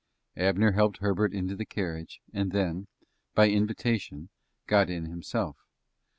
Abner helped Herbert into the carriage, and then, by invitation, got in himself.